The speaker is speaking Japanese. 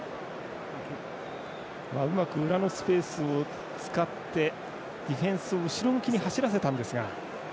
うまく裏のスペースを使ってディフェンスを後ろ向きに走らせたんですが。